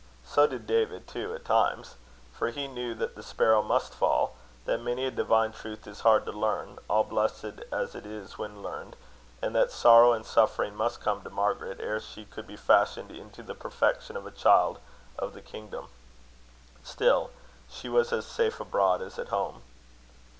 So did David too, at times; for he knew that the sparrow must fall; that many a divine truth is hard to learn, all blessed as it is when learned; and that sorrow and suffering must come to Margaret, ere she could be fashioned into the perfection of a child of the kingdom. Still, she was as safe abroad as at home.